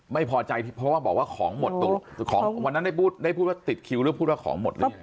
ไม่พอใจเพราะว่าบอกว่าของหมดวันนั้นได้พูดว่าติดคิวหรือพูดว่าของหมด